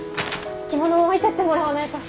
着物を置いてってもらわないと。